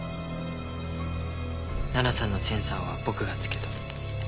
奈々さんのセンサーは僕がつけた。